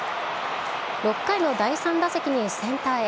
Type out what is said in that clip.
６回の第３打席にセンターへ。